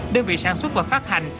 đơn vị sản xuất và phát hành